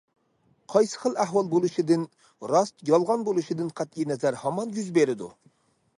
قايسى خىل ئەھۋال بولۇشىدىن، راست- يالغان بولۇشىدىن قەتئىينەزەر ھامان يۈز بېرىدۇ.